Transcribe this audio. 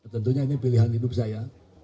tentunya ini pilihan hidup saya